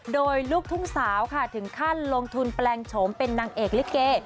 โดยลูกทุ่งสาวค่ะถึงขั้นลงทุนแปลงโฉมเป็นนางเอกลิเก